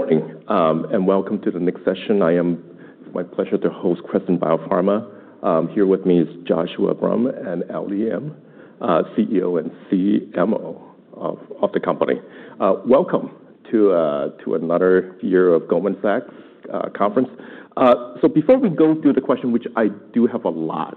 Good morning, and welcome to the next session. It's my pleasure to host Crescent Biopharma. Here with me is Joshua Brumm and Ellie Im, CEO and CMO of the company. Welcome to another year of Goldman Sachs conference. Before we go through the question, which I do have a lot,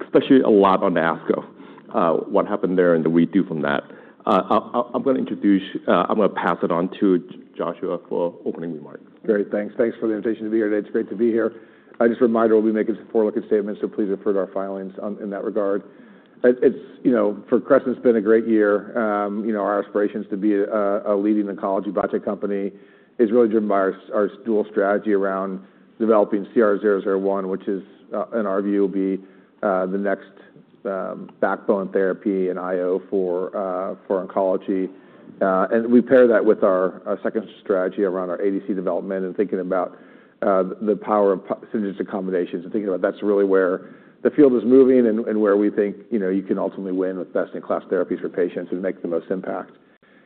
especially a lot on ASCO, what happened there and the redo from that, I'm going to pass it on to Joshua for opening remarks. Thanks for the invitation to be here today. It's great to be here. Just a reminder, we'll be making some forward-looking statements, so please refer to our filings in that regard. For Crescent, it's been a great year. Our aspiration is to be a leading oncology biotech company. It's really driven by our dual strategy around developing CR-001, which is, in our view, will be the next backbone therapy in IO for oncology. We pair that with our second strategy around our ADC development and thinking about the power of synergistic combinations and thinking about that's really where the field is moving and where we think you can ultimately win with best-in-class therapies for patients and make the most impact.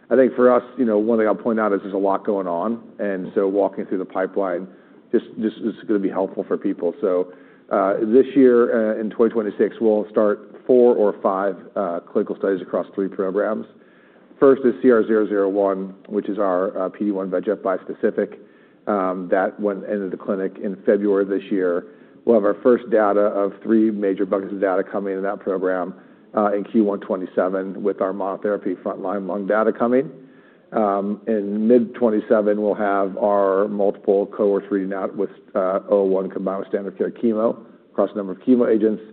There's a lot going on. Walking through the pipeline, this is going to be helpful for people. This year, in 2026, we'll start four or five clinical studies across three programs. First is CR-001, which is our PD-1 bispecific. That one entered the clinic in February this year. We'll have our first data of three major buckets of data coming in that program in Q1 2027 with our monotherapy frontline lung data coming. In mid 2027, we'll have our multiple cohorts reading out withCR-001 combined with standard care chemo across a number of chemo agents.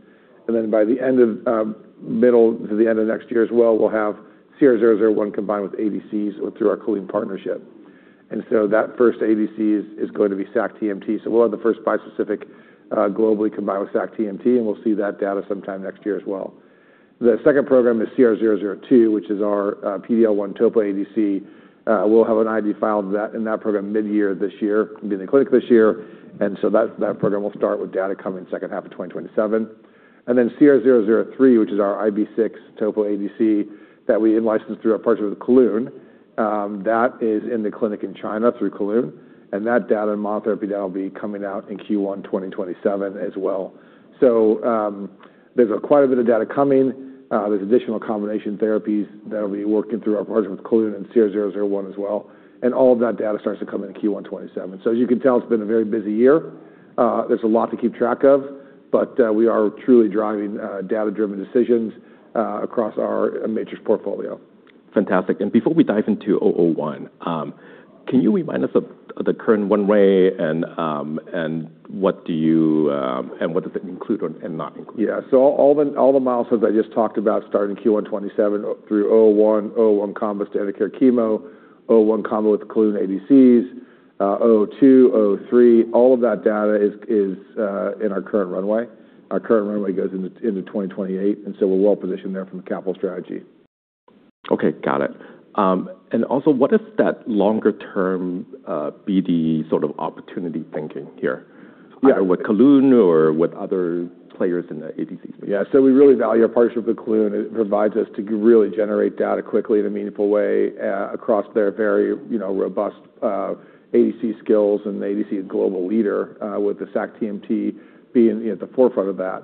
By the middle to the end of next year as well, we'll have CR-001 combined with ADCs or through our Kelun partnership. That first ADC is going to be sacTMT. We'll have the first bispecific globally combined with sac-TMT, and we'll see that data sometime next year as well. The second program is CR-002, which is our PDL-1 Topo ADC. We'll have an IND filed in that program mid-year this year, be in the clinic this year. That program will start with data coming second half of 2027. CR-003, which is our IB6 Topo ADC that we in-licensed through our partnership with Kelun. That is in the clinic in China through Kelun, and that data and monotherapy data will be coming out in Q1 2027 as well. There's quite a bit of data coming. There's additional combination therapies that'll be working through our partners with Kelun and CR-001 as well. All of that data starts to come in in Q1 2027. As you can tell, it's been a very busy year. There's a lot to keep track of, we are truly driving data-driven decisions across our matrix portfolio. Fantastic. Before we dive intoCR-001, can you remind us of the current runway and what does it include and not include? Yeah. All the milestones I just talked about start in Q1 2027 throughCR-001 combo standard care chemo, CR-001 combo with Kelun-Biotech ADCs, 002, 003. All of that data is in our current runway. Our current runway goes into 2028, and so we're well-positioned there from a capital strategy. Okay. Got it. Also, what is that longer term BD sort of opportunity thinking here? Yeah Either with Kelun-Biotech or with other players in the ADCs space? We really value our partnership with Kelun-Biotech. It provides us to really generate data quickly in a meaningful way across their very robust ADC skills and ADC global leader with the sacituzumab being at the forefront of that.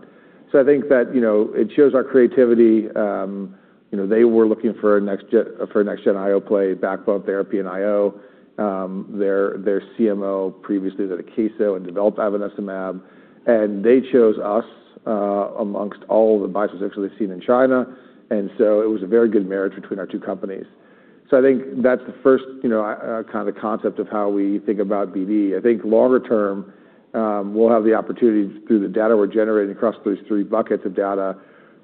I think that it shows our creativity. They were looking for a next-gen IO play, backbone therapy and IO. Their CMO previously was at Akeso and developed ivonescimab, and they chose us amongst all the bispecifics actually seen in China, it was a very good marriage between our two companies. I think that's the first kind of concept of how we think about BD. I think longer term, we'll have the opportunity through the data we're generating across these three buckets of data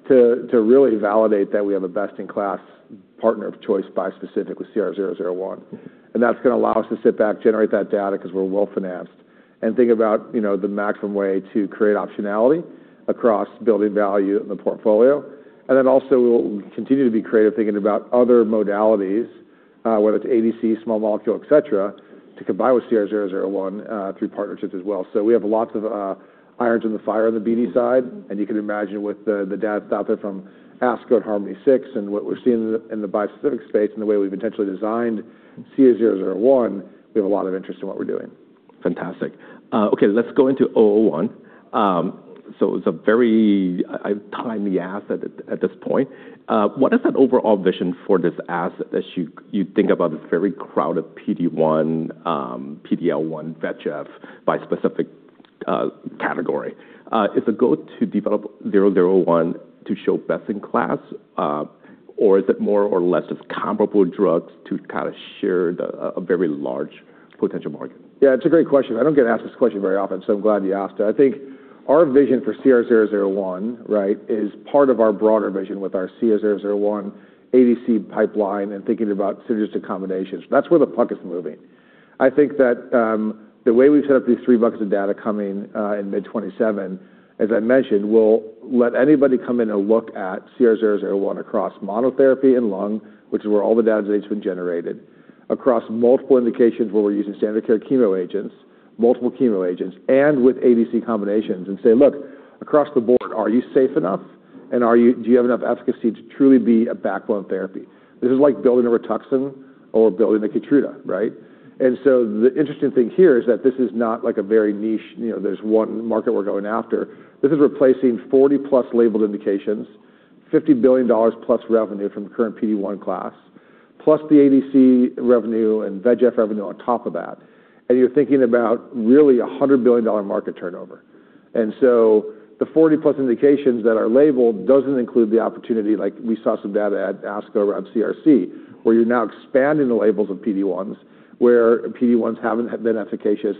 to really validate that we have a best-in-class partner of choice bispecific with CR-001. That's going to allow us to sit back, generate that data because we're well-financed, and think about the maximum way to create optionality across building value in the portfolio. We'll continue to be creative thinking about other modalities, whether it's ADC, small molecule, et cetera, to combine with CR-001 through partnerships as well. We have lots of irons in the fire on the BD side, and you can imagine with the data out there from ASCO at HARMONi-6 and what we're seeing in the bispecific space and the way we've intentionally designed CR-001, we have a lot of interest in what we're doing. Fantastic. Let's go intoCR-001. It's a very timely asset at this point. What is that overall vision for this asset as you think about this very crowded PD-1, PDL-1 VEGF bispecific category? Is the goal to developCR-001 to show best in class, or is it more or less just comparable drugs to kind of share a very large potential market? Yeah, it's a great question. I don't get asked this question very often, so I'm glad you asked it. I think our vision for CR-001 is part of our broader vision with our CR-001 ADC pipeline and thinking about synergistic combinations. That's where the puck is moving. I think that the way we've set up these three buckets of data coming in mid 2027, as I mentioned, we'll let anybody come in and look at CR-001 across monotherapy and lung, which is where all the data's been generated, across multiple indications where we're using standard care chemo agents, multiple chemo agents, and with ADC combinations and say, "Look, across the board, are you safe enough?" Do you have enough efficacy to truly be a backbone therapy? This is like building a Rituxan or building a KEYTRUDA, right? The interesting thing here is that this is not a very niche, there's one market we're going after. This is replacing 40 plus labeled indications, $50 billion+ revenue from the current PD-1 class, plus the ADC revenue and VEGF revenue on top of that. You're thinking about really a $100 billion market turnover. The 40 plus indications that are labeled doesn't include the opportunity like we saw some data at ASCO around CRC, where you're now expanding the labels of PD-1s, where PD-1s haven't been efficacious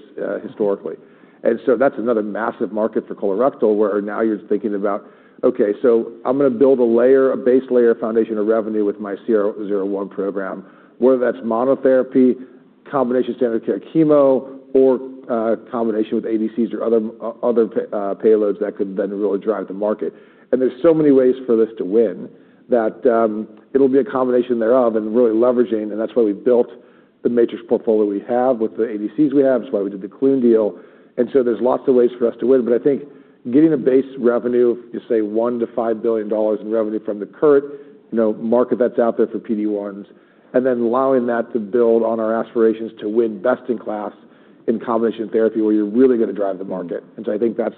historically. That's another massive market for colorectal, where now you're thinking about, okay, so I'm going to build a base layer foundation of revenue with my CR-001 program, whether that's monotherapy, combination standard of care chemo, or combination with ADCs or other payloads that could then really drive the market. There's so many ways for this to win that it'll be a combination thereof and really leveraging, and that's why we built the matrix portfolio we have with the ADCs we have. That's why we did the Kelun deal. There's lots of ways for us to win. I think getting a base revenue of, just say, $1 billion-$5 billion in revenue from the current market that's out there for PD-1s, and then allowing that to build on our aspirations to win best in class in combination therapy, where you're really going to drive the market. I think that's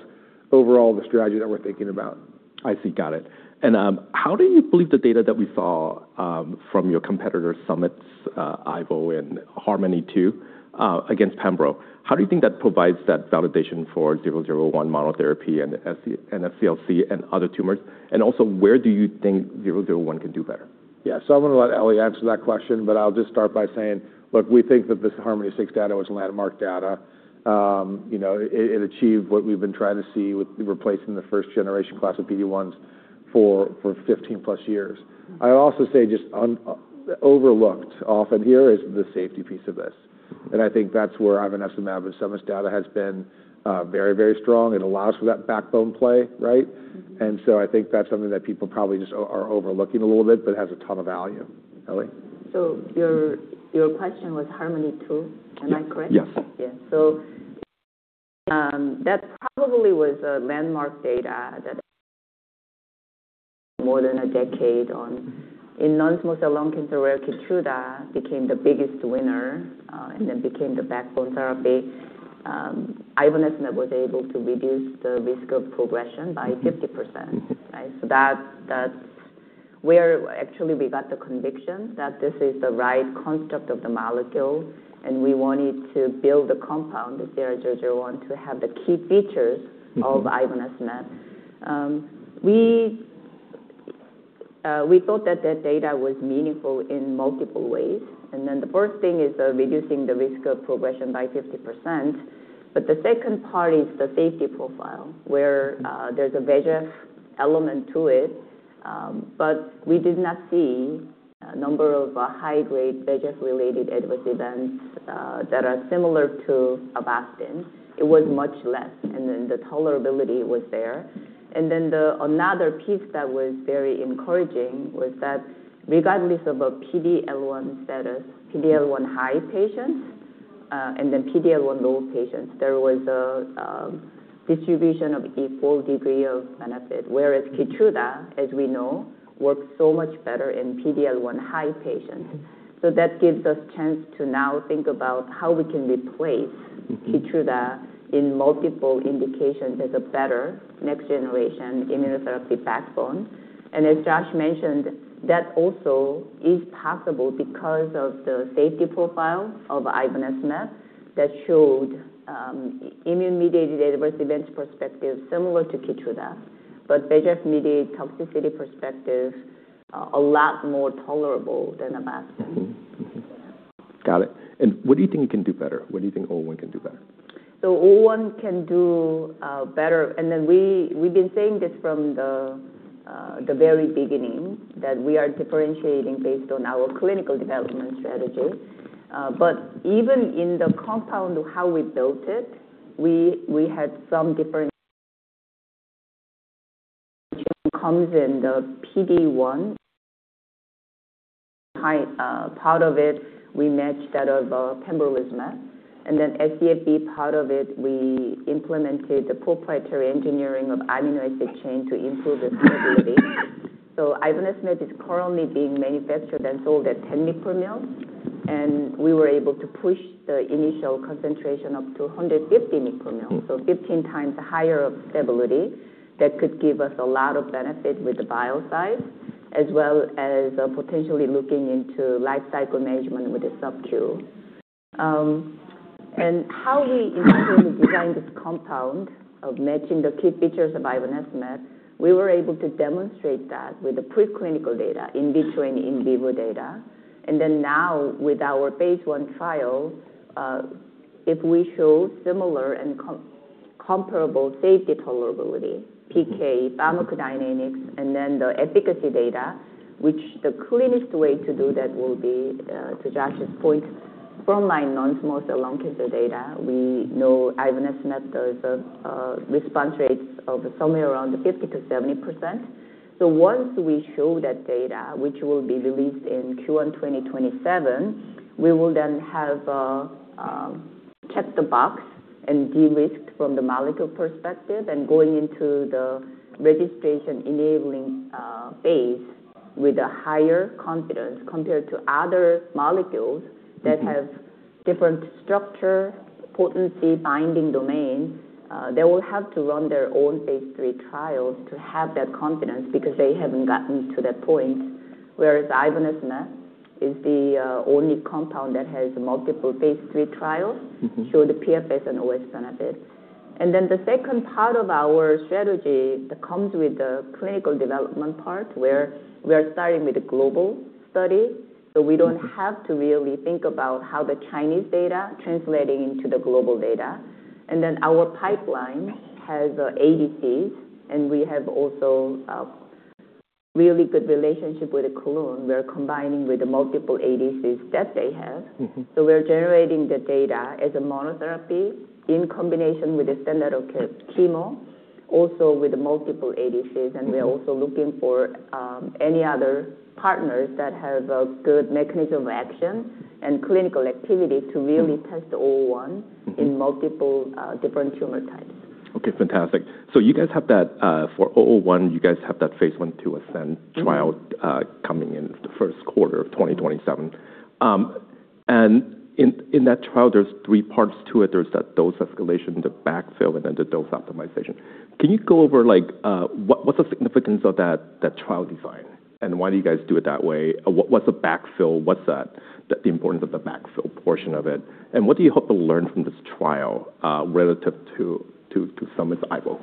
overall the strategy that we're thinking about. I see. Got it. How do you believe the data that we saw from your competitor Summit's, Ivo and HARMONi-2 against pembro? How do you think that provides that validation for CR-001 monotherapy and SCLC and other tumors? Also, where do you think CR-001 can do better? Yeah. I'm going to let Ellie answer that question, but I'll just start by saying, look, we think that this HARMONi-6 data was landmark data. It achieved what we've been trying to see with replacing the first generation class of PD-1s for 15+ years. I also say just overlooked often here is the safety piece of this. I think that's where ivonescimab and so much data has been very strong and allows for that backbone play, right? I think that's something that people probably just are overlooking a little bit, but has a ton of value. Ellie? Your question was HARMONi-3, am I correct? Yeah. Yeah. That probably was a landmark data that more than a decade on. In non-small cell lung cancer, where KEYTRUDA became the biggest winner, became the backbone therapy, ivonescimab was able to reduce the risk of progression by 50%. That's where actually we got the conviction that this is the right construct of the molecule, and we wanted to build a compound with CR-001 to have the key features. of ivonescimab. We thought that that data was meaningful in multiple ways. The first thing is reducing the risk of progression by 50%. The second part is the safety profile, where there's a VEGF element to it. We did not see a number of high-grade VEGF-related adverse events that are similar to Avastin. It was much less, and the tolerability was there. Another piece that was very encouraging was that regardless of a PD-L1 status, PD-L1 high patients, and PD-L1 low patients, there was a distribution of equal degree of benefit. KEYTRUDA, as we know, works so much better in PD-L1 high patients. That gives us chance to now think about how we can replace KEYTRUDA in multiple indications as a better next generation immunotherapy backbone. As Josh mentioned, that also is possible because of the safety profile of ivonescimab that showed immune-mediated adverse events perspective similar to KEYTRUDA, but VEGF-mediated toxicity perspective, a lot more tolerable than Avastin. Got it. What do you think you can do better? What do you think CR-001 can do better? CR-001 can do better, we've been saying this from the very beginning, that we are differentiating based on our clinical development strategy. Even in the compound of how we built it, we had some different comes in the PD-1. Part of it, we matched that of pembrolizumab, VEGF part of it, we implemented the proprietary engineering of amino acid chain to improve the stability. ivonescimab is currently being manufactured and sold at 10 mg/mL, and we were able to push the initial concentration up to 150 mg/mL. 15 times higher stability that could give us a lot of benefit with the bio size, as well as potentially looking into life cycle management with the subcu. How we initially designed this compound of matching the key features of ivonescimab, we were able to demonstrate that with the preclinical data in between in vivo data. Now with our phase I trial, if we show similar and comparable safety tolerability, PK pharmacodynamics, the efficacy data, which the cleanest way to do that will be, to Josh's point, from my non-small cell lung cancer data, we know ivonescimab does response rates of somewhere around 50%-70%. Once we show that data, which will be released in Q1 2027, we will then have Check the box and de-risked from the molecule perspective and going into the registration enabling phase with a higher confidence compared to other molecules that have different structure, potency, binding domain. They will have to run their own phase III trials to have that confidence because they haven't gotten to that point. Whereas ivonescimab is the only compound that has multiple phase III trials show the PFS and OS benefit. The second part of our strategy comes with the clinical development part, where we are starting with a global study, so we don't have to really think about how the Chinese data translating into the global data. Our pipeline has ADCs, and we have also a really good relationship with Kelun. We're combining with the multiple ADCs that they have. We're generating the data as a monotherapy in combination with the standard of care chemo, also with multiple ADCs. We are also looking for any other partners that have a good mechanism of action and clinical activity to really test CR-001 in multiple different tumor types. Okay, fantastic. For CR-001, you guys have that phase I/II ASCEND trial coming in the first quarter of 2027. In that trial, there's three parts to it. There's that dose escalation, the backfill, and the dose optimization. Can you go over what's the significance of that trial design, and why do you guys do it that way? What's a backfill? What's the importance of the backfill portion of it, and what do you hope to learn from this trial relative to some with Ivo?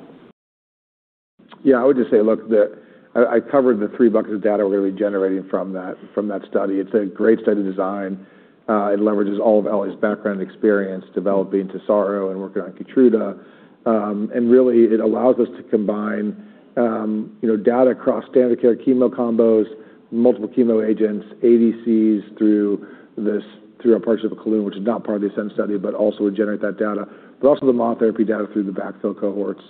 I would just say, look, I covered the three buckets of data we're really generating from that study. It's a great study design. It leverages all of Ellie's background and experience developing Tesaro and working on KEYTRUDA. Really it allows us to combine data across standard of care chemo combos, multiple chemo agents, ADCs through our partnership with Kelun, which is not part of the ASCEND study, but also would generate that data. Also the monotherapy data through the backfill cohorts,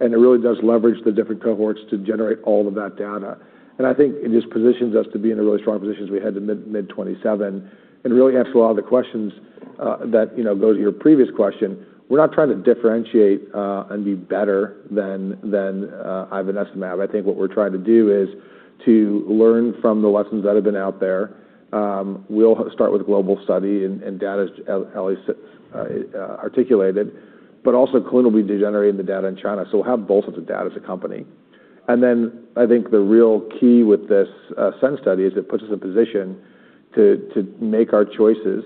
and it really does leverage the different cohorts to generate all of that data. I think it just positions us to be in a really strong position as we head to mid 2027 and really answer a lot of the questions that go to your previous question. We're not trying to differentiate and be better than ivonescimab. I think what we're trying to do is to learn from the lessons that have been out there. We'll start with global study and data as Ellie articulated, but also Kelun will be generating the data in China. We'll have both of the data as a company. Then I think the real key with this ASCEND study is it puts us in position to make our choices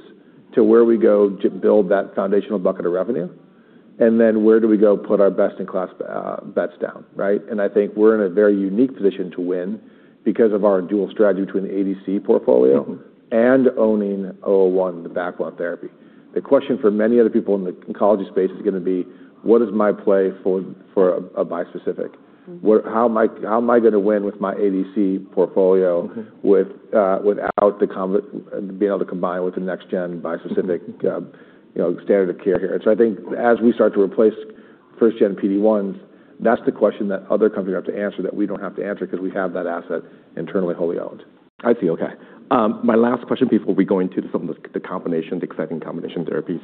to where we go to build that foundational bucket of revenue, where do we go put our best in class bets down, right? I think we're in a very unique position to win because of our dual strategy between the ADC portfolio and owning CR-001, the backbone therapy. The question for many other people in the oncology space is going to be, what is my play for a bispecific? How am I going to win with my ADC portfolio without being able to combine with the next gen bispecific standard of care here? I think as we start to replace first gen PD-1s, that's the question that other companies have to answer that we don't have to answer because we have that asset internally wholly owned. I see. Okay. My last question before we go into some of the combination, the exciting combination therapies,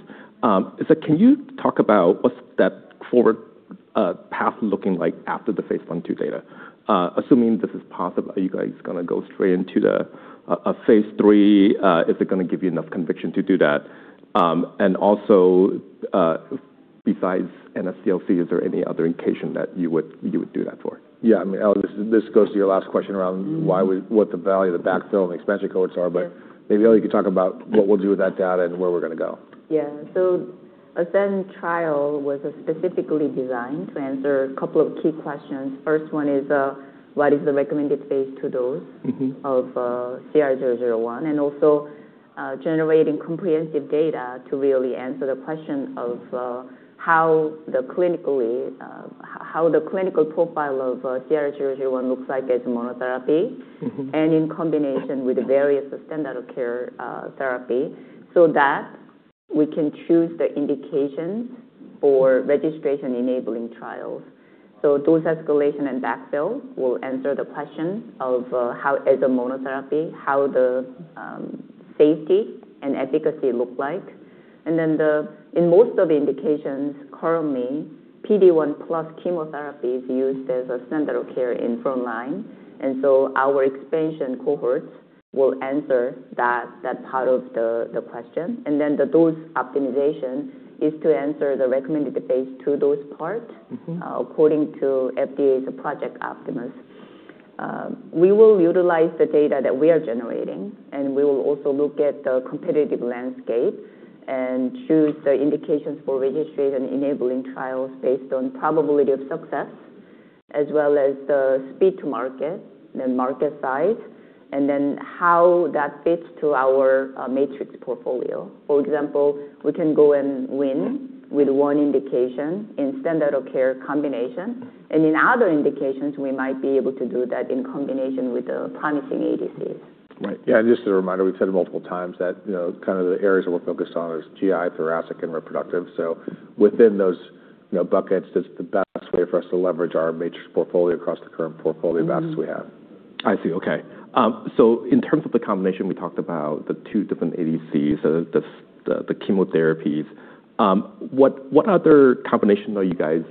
is that can you talk about what's that forward path looking like after the phase I/II data? Assuming this is possible, are you guys going to go straight into the phase III? Is it going to give you enough conviction to do that? Besides NSCLC, is there any other indication that you would do that for? Yeah. I mean, Ellie, this goes to your last question around what the value of the backfill and expansion cohorts are. Maybe, Ellie, you could talk about what we'll do with that data and where we're going to go. Yeah. ASCEND trial was specifically designed to answer a couple of key questions. First one is, what is the recommended phase II dose of CR-001? Generating comprehensive data to really answer the question of how the clinical profile of CR-001 looks like as monotherapy and in combination with various standard of care therapy, so that we can choose the indications for registration enabling trials. Dose escalation and backfill will answer the question of how, as a monotherapy, how the safety and efficacy look like. In most of the indications currently, PD-1 plus chemotherapy is used as a standard of care in frontline, our expansion cohorts will answer that part of the question. The dose optimization is to answer the recommended phase II dose part according to FDA's Project Optimus. We will utilize the data that we are generating, and we will also look at the competitive landscape and choose the indications for registration enabling trials based on probability of success, as well as the speed to market, then market size, and then how that fits to our matrix portfolio. For example, we can go and win with one indication in standard of care combination, and in other indications, we might be able to do that in combination with the promising ADCs. Right. Just a reminder, we've said it multiple times that kind of the areas that we're focused on is GI, thoracic, and reproductive. Within those buckets, that's the best way for us to leverage our matrix portfolio across the current portfolio of assets we have. I see. Okay. In terms of the combination, we talked about the two different ADCs, the chemotherapies. What other combination are you guys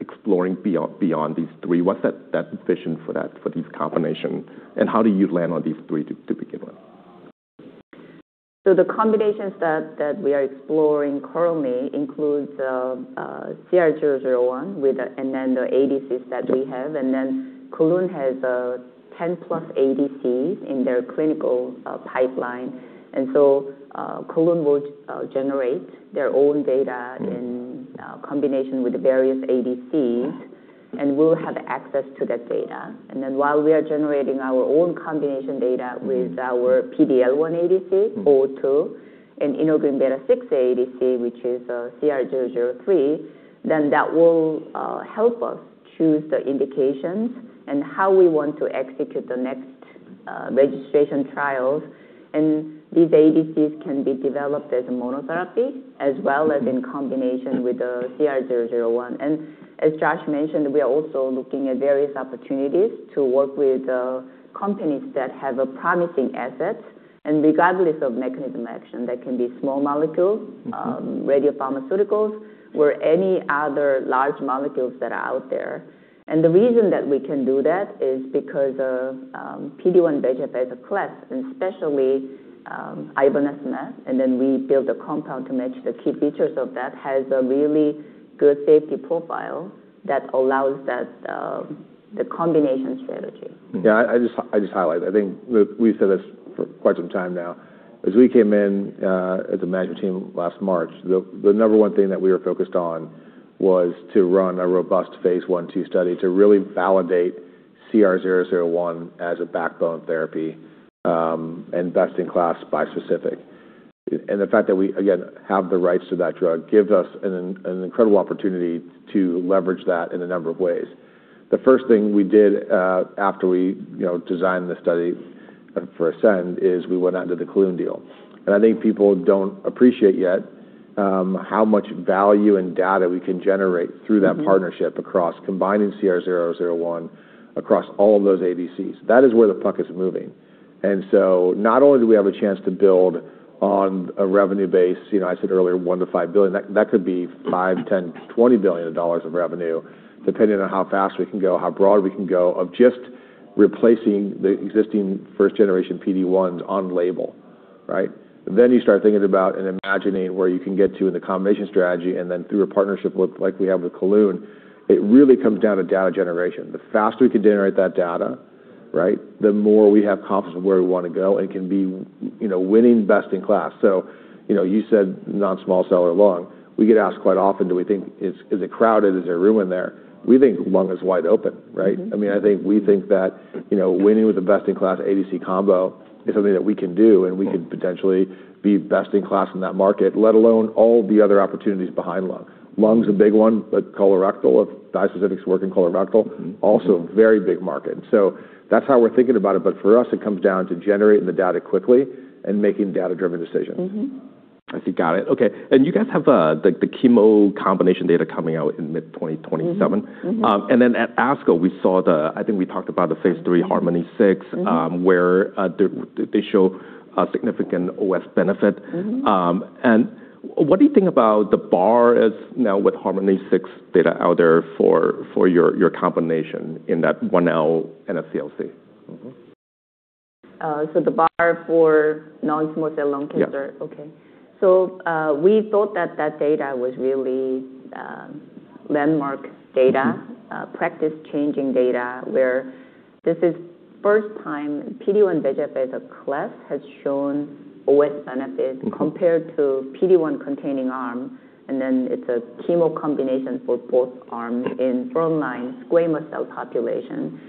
exploring beyond these three? What's that vision for these combinations, and how do you land on these three to begin with? The combinations that we are exploring currently includes CR-001 and then the ADCs that we have. Kelun has 10+ ADCs in their clinical pipeline. Kelun will generate their own data in combination with various ADCs, and we'll have access to that data. While we are generating our own combination data with our PD-L1 ADC, 02, an integrin beta-6 ADC, which is CR-003, then that will help us choose the indications and how we want to execute the next registration trials. These ADCs can be developed as a monotherapy as well as in combination with the CR-001. As Josh mentioned, we are also looking at various opportunities to work with companies that have promising assets. Regardless of mechanism action, that can be small molecules, radiopharmaceuticals, or any other large molecules that are out there. The reason that we can do that is because of PD-1 x VEGF bispecific, especially ivonescimab, then we build a compound to match the key features of that, has a really good safety profile that allows the combination strategy. Yeah, I just highlight, I think we've said this for quite some time now. As we came in as a management team last March, the number one thing that we were focused on was to run a robust phase I/II study to really validate CR-001 as a backbone therapy, and best in class bispecific. The fact that we, again, have the rights to that drug gives us an incredible opportunity to leverage that in a number of ways. The first thing we did after we designed the study for ASCEND is we went out and did the Kelun deal. I think people don't appreciate yet how much value and data we can generate through that partnership across combining CR-001 across all of those ADCs. That is where the puck is moving. Not only do we have a chance to build on a revenue base, I said earlier, $1 billion-$5 billion, that could be $5 billion, $10 billion, $20 billion of revenue, depending on how fast we can go, how broad we can go of just replacing the existing first generation PD-1s on label. Right? You start thinking about and imagining where you can get to in the combination strategy, then through a partnership like we have with Kelun, it really comes down to data generation. The faster we can generate that data, the more we have confidence in where we want to go and can be winning best in class. You said Non-Small Cell or lung. We get asked quite often, do we think, is it crowded? Is there room in there? We think lung is wide open, right? I mean, we think that winning with a best in class ADC combo is something that we can do, and we could potentially be best in class in that market, let alone all the other opportunities behind lung. Lung's a big one, but Colorectal, if bispecific is working, Colorectal also a very big market. That's how we're thinking about it. For us, it comes down to generating the data quickly and making data driven decisions. I see. Got it. Okay. You guys have the chemo combination data coming out in mid 2027. At ASCO, we saw the I think we talked about the phase III HARMONi-6 where they show a significant OS benefit. What do you think about the bar is now with HARMONi-6 data out there for your combination in that 1L NSCLC? The bar for Non-Small Cell Lung Cancer? Yeah. Okay. We thought that that data was really landmark data. Practice-changing data where this is first time PD-1 x VEGF bispecific has shown OS benefit compared to PD-1 containing arm, and then it's a chemo combination for both arms in frontline squamous cell population.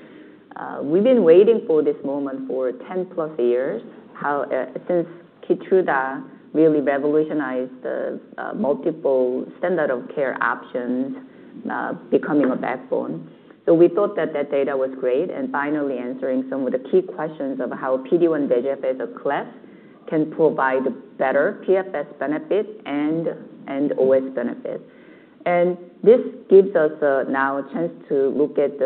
We've been waiting for this moment for 10 plus years. Since KEYTRUDA really revolutionized the multiple standard of care options becoming a backbone. We thought that that data was great, finally answering some of the key questions of how PD-1 x VEGF bispecific can provide better PFS benefit and OS benefit. This gives us now a chance to look at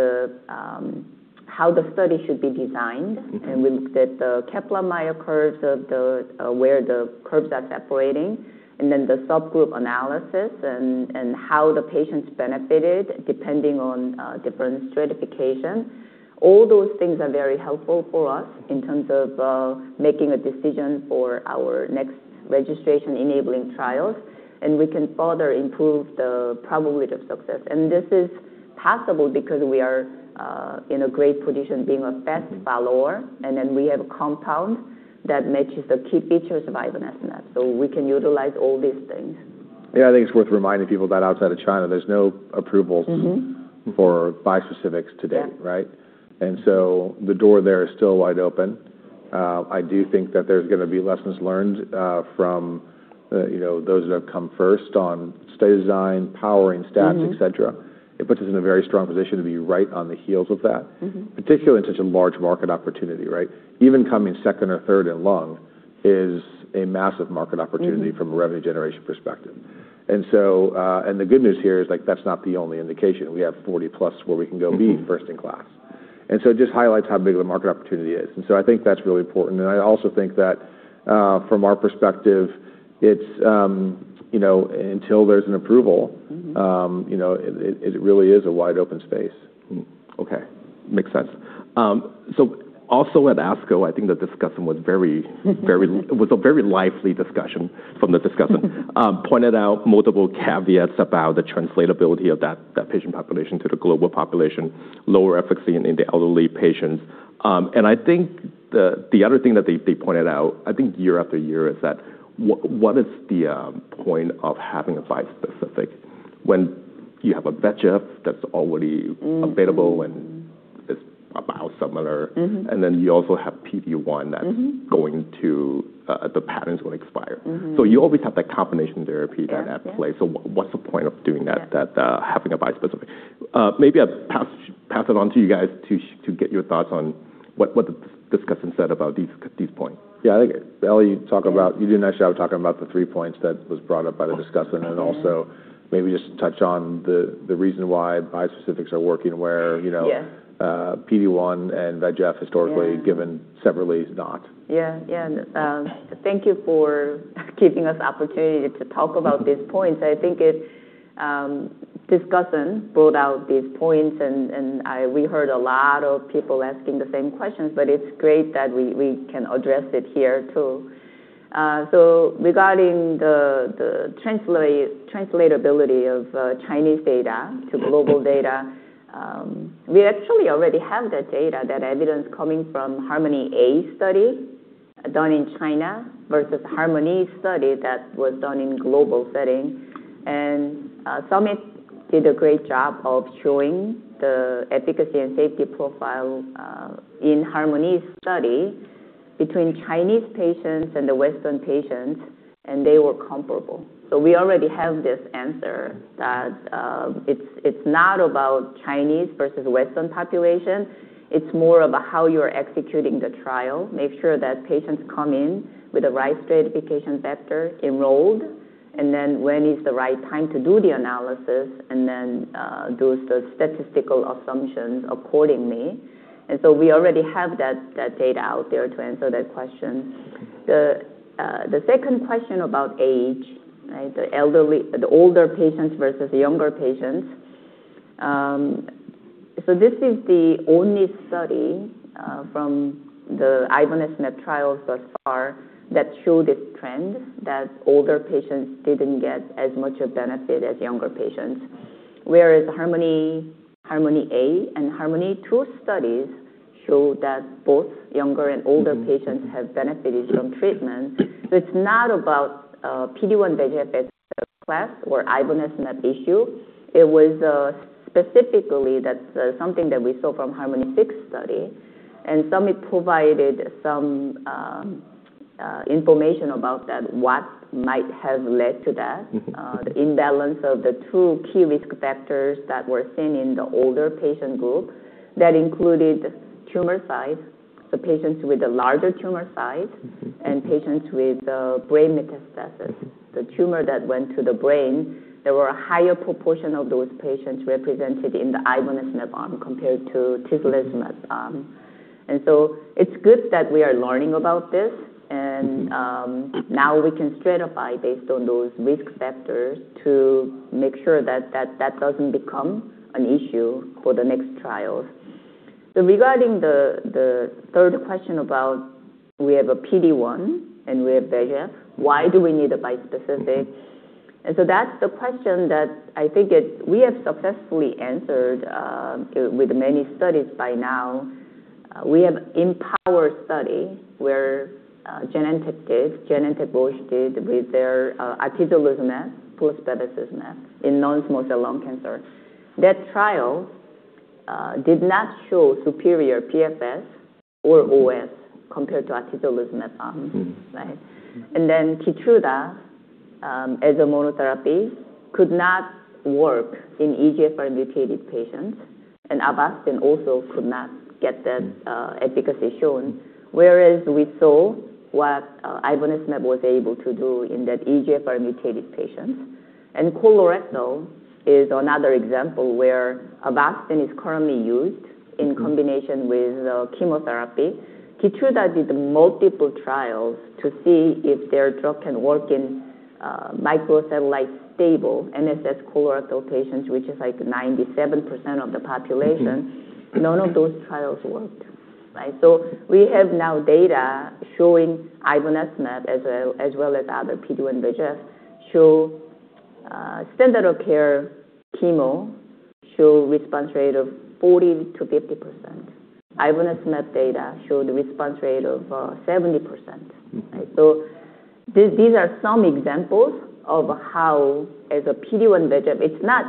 how the study should be designed. We looked at the Kaplan-Meier curves of where the curves are separating, and then the subgroup analysis and how the patients benefited depending on different stratification. All those things are very helpful for us in terms of making a decision for our next registration enabling trials, and we can further improve the probability of success. This is possible because we are in a great position being a fast follower, and then we have a compound that matches the key features of ivonescimab. We can utilize all these things. Yeah, I think it's worth reminding people that outside of China, there's no approvals for bispecifics to date. Right? The door there is still wide open. I do think that there's going to be lessons learned from those that have come first on study design, powering stats, et cetera. It puts us in a very strong position to be right on the heels of that. Particularly in such a large market opportunity, right? Even coming second or third in lung is a massive market opportunity. From a revenue generation perspective. The good news here is that's not the only indication. We have 40+ where we can go be first in class. It just highlights how big of a market opportunity is. I think that's really important. I also think that from our perspective, until there's an approval- it really is a wide open space. Okay. Makes sense. Also at ASCO, I think the discussion was a very lively discussion from the discussant. Pointed out multiple caveats about the translatability of that patient population to the global population, lower efficacy in the elderly patients. I think the other thing that they pointed out, I think year after year, is that what is the point of having a bispecific when you have a bevacizumab that's already available- It's about similar. You also have PD-1. The patents will expire. You always have that combination there at play. What's the point of doing that having a bispecific? Maybe I'll pass it on to you guys to get your thoughts on what the discussant said about these points. Yeah, I think, Ellie, you did a nice job talking about the three points that was brought up by the discussant. Oh, okay. Yeah. Also maybe just touch on the reason why bispecifics are working where- PD-1 and bevacizumab historically given separately is not. Yeah. Thank you for giving us opportunity to talk about these points. I think it's discussant brought out these points, and we heard a lot of people asking the same questions, but it's great that we can address it here, too. Regarding the translatability of Chinese data to global data, we actually already have that data, that evidence coming from HARMONi-A study done in China versus HARMONi study that was done in global setting. Summit did a great job of showing the efficacy and safety profile in HARMONi study between Chinese patients and the Western patients, and they were comparable. We already have this answer that it's not about Chinese versus Western population, it's more about how you're executing the trial. Make sure that patients come in with the right stratification factor enrolled, and then when is the right time to do the analysis, and then do the statistical assumptions accordingly. We already have that data out there to answer that question. The second question about age, right? The older patients versus the younger patients. This is the only study from the ivonescimab trials thus far that show this trend, that older patients didn't get as much of benefit as younger patients. Whereas HARMONi-A and HARMONi-2 studies show that both younger and older patients have benefited from treatment. It's not about PD-1, bevacizumab class or ivonescimab issue. It was specifically that something that we saw from HARMONi-6 study. Summit provided some information about that. What might have led to that. The imbalance of the two key risk factors that were seen in the older patient group that included tumor size, the patients with the larger tumor size. Patients with brain metastasis, the tumor that went to the brain. There were a higher proportion of those patients represented in the ivonescimab arm compared to tislelizumab arm. It's good that we are learning about this. Now we can stratify based on those risk factors to make sure that doesn't become an issue for the next trials. Regarding the third question about we have a PD-1 and we have bevacizumab, why do we need a bispecific? That's the question that I think we have successfully answered with many studies by now. We have IMpower study where Genentech did, Genentech Roche did with their atezolizumab plus bevacizumab in non-small cell lung cancer. That trial did not show superior PFS or OS compared to atezolizumab arm. Right? KEYTRUDA as a monotherapy could not work in EGFR mutated patients. Avastin also could not get that efficacy shown. Whereas we saw what ivonescimab was able to do in that EGFR mutated patients. Colorectal is another example where Avastin is currently used in combination with chemotherapy. KEYTRUDA did multiple trials to see if their drug can work in microsatellite stable MSS colorectal patients, which is like 97% of the population. None of those trials worked, right? We have now data showing ivonescimab as well as other PD-1, bevacizumab show standard of care chemo show response rate of 40%-50%. Ivonescimab data showed a response rate of 70%. Right? These are some examples of how as a PD-1, bevacizumab. It's not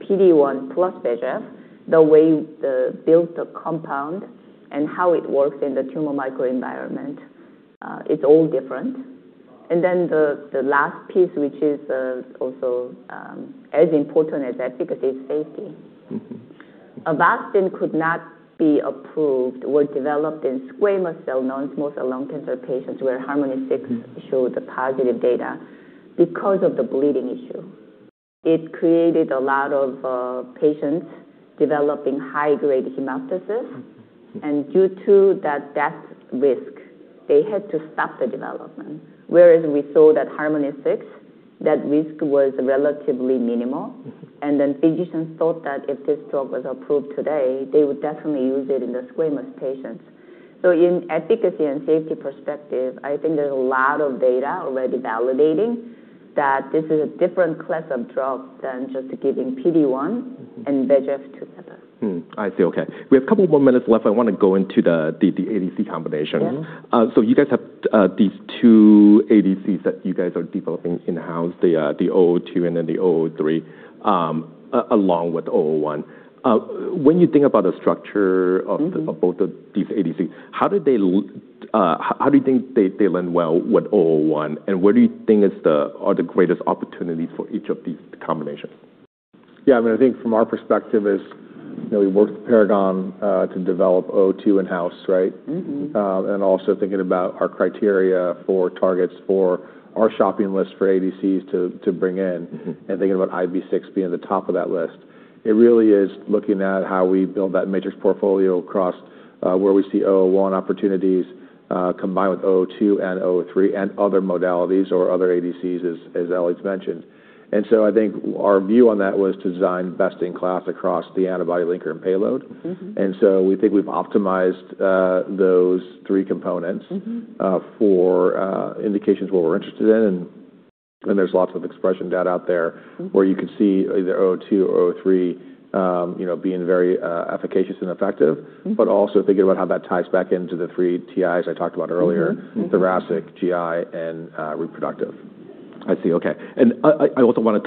PD-1 plus bevacizumab. The way they built the compound and how it works in the tumor microenvironment, it's all different. Then the last piece, which is also as important as efficacy, is safety.nAvastin could not be approved or developed in squamous cell non-small cell lung cancer patients where HARMONi-6 showed the positive data because of the bleeding issue. It created a lot of patients developing high-grade hemoptysis. Due to that risk, they had to stop the development, whereas we saw that with HARMONi-6, that risk was relatively minimal. Physicians thought that if this drug was approved today, they would definitely use it in the squamous patients. In efficacy and safety perspective, I think there's a lot of data already validating that this is a different class of drug than just giving PD-1 and VEGF together. Hmm. I see. Okay. We have a couple more minutes left. I want to go into the ADC combination. You guys have these two ADCs that you guys are developing in-house, the 002 and then the 003, along with CR-001. When you think about the structure of both of these ADCs, how do you think they lend well with CR-001, and what do you think are the greatest opportunities for each of these combinations? Yeah. I think from our perspective is we worked with Paragon to develop 002 in-house, right? Also thinking about our criteria for targets for our shopping list for ADCs. Thinking about IB6 being the top of that list. It really is looking at how we build that matrix portfolio across where we see CR-001 opportunities combined with 002 and 003 and other modalities or other ADCs as Ellie's mentioned. I think our view on that was to design best in class across the antibody linker and payload. We think we've optimized those three components. For indications, what we're interested in. There's lots of expression data out there where you can see either 002 or 003 being very efficacious and effective. Also thinking about how that ties back into the three TIs I talked about earlier. Thoracic, GI, and reproductive. I see. Okay. I also want to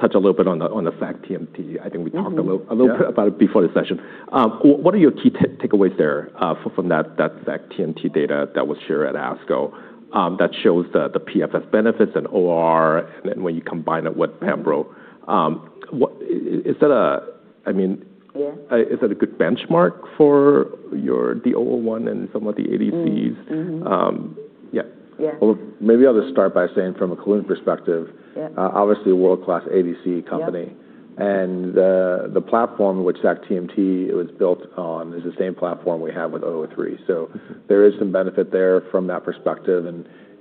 touch a little bit on the sac-TMT. I think we talked a little bit about it before the session. What are your key takeaways there from that sac-TMT data that was shared at ASCO that shows the PFS benefits and OR, and then when you combine it with pembro? Is that a good benchmark for your CR-001 and some of the ADCs? Yeah. Well, maybe I'll just start by saying from a Kelun-Biotech perspective. Obviously, a world-class ADC company. The platform which sacituzumab was built on is the same platform we have with 003. There is some benefit there from that perspective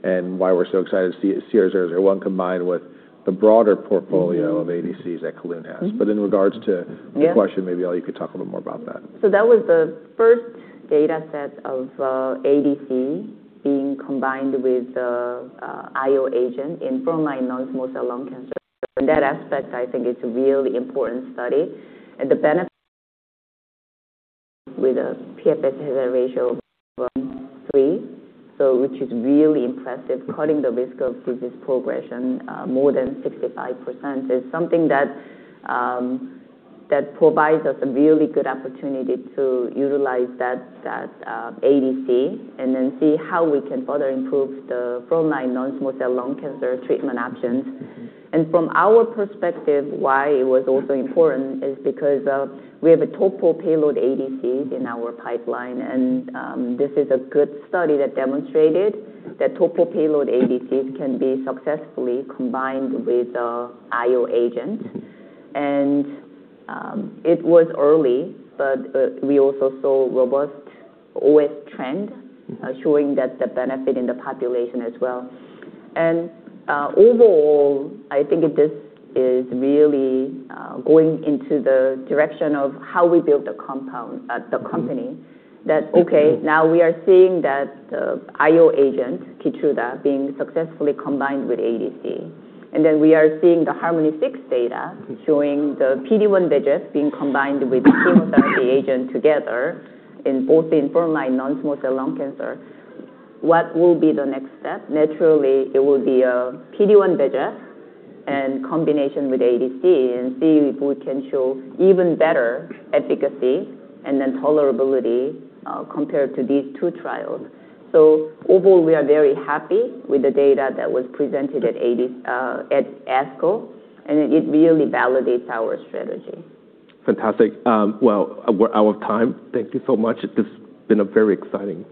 and why we're so excited to see CR-001 combined with the broader portfolio of ADCs that Kelun-Biotech has. In regards to your question, maybe, Ellie, you could talk a little more about that. That was the first data set of ADC being combined with the IO agent in frontline Non-Small Cell Lung Cancer. From that aspect, I think it's a really important study, the benefit with a PFS ratio of 1.3, which is really impressive, cutting the risk of previous progression more than 65%, is something that provides us a really good opportunity to utilize that ADC and then see how we can further improve the frontline Non-Small Cell Lung Cancer treatment options. From our perspective, why it was also important is because we have a Topo payload ADCs in our pipeline, this is a good study that demonstrated that Topo payload ADCs can be successfully combined with the IO agent. It was early, but we also saw robust OS trend showing that the benefit in the population as well. Overall, I think this is really going into the direction of how we build the company. That okay, now we are seeing that the IO agent, KEYTRUDA, being successfully combined with ADC. We are seeing the HARMONi-6 data showing the PD-1 VEGF being combined with chemotherapy agent together both in frontline non-small cell lung cancer. What will be the next step? Naturally, it will be a PD-1 VEGF in combination with ADC and see if we can show even better efficacy and then tolerability compared to these two trials. Overall, we are very happy with the data that was presented at ASCO, and it really validates our strategy. Fantastic. Well, we're out of time. Thank you so much. This has been a very exciting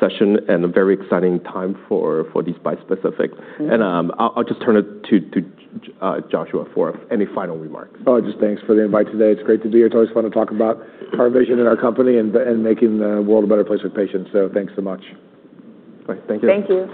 session and a very exciting time for these bispecifics. I'll just turn it to Joshua for any final remarks. Just thanks for the invite today. It's great to be here. It's always fun to talk about our vision and our company and making the world a better place with patients. Thanks so much. Great. Thank you. Thank you.